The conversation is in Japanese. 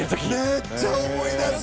めっちゃ思い出す！